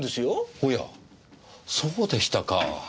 おやそうでしたか。